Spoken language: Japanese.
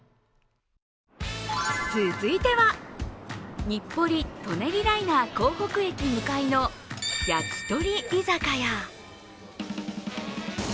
続いては、日暮里・舎人ライナー江北駅向かいの焼鳥居酒屋。